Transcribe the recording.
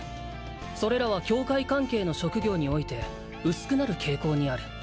「それらは教会関係の職業において薄くなる傾向にある」